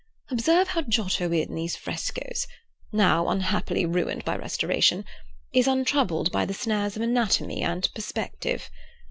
Observe how Giotto in these frescoes—now, unhappily, ruined by restoration—is untroubled by the snares of anatomy and perspective.